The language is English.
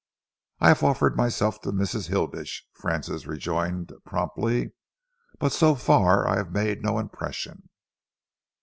"I have offered myself to Mrs. Hilditch," Francis rejoined promptly, "but so far I have made no impression."